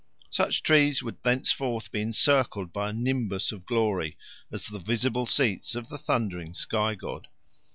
Such trees would thenceforth be encircled by a nimbus of glory as the visible seats of the thundering sky god.